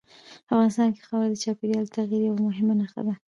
افغانستان کې خاوره د چاپېریال د تغیر یوه مهمه نښه ده.